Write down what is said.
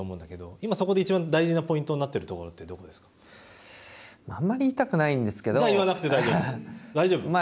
今、そこでいちばん大事なポイントになっているところってあんまりじゃあ、言わなくて大丈夫。